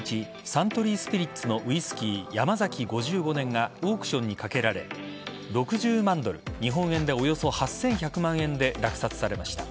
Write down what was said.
サントリースピリッツのウイスキー山崎５５年がオークションにかけられ６０万ドル日本円でおよそ８１００万円で落札されました。